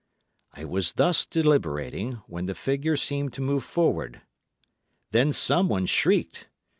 I was thus deliberating, when the figure seemed to move forward; then someone shrieked.